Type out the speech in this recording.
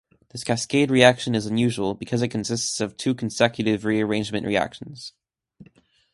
This cascade reaction is unusual because it consists of two consecutive rearrangement reactions.